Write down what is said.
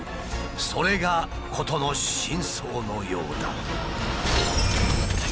それが事の真相のようだ。